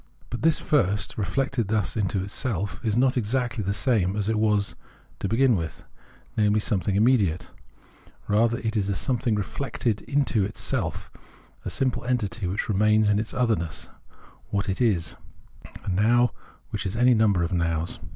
But this first, reflected thus into itself, is not exactly the same as it was to begin with, namely some thing immediate : rather it is a something reflected into self, a simple entity which remains in its otherness, what it is : a Now which is any number of Nows.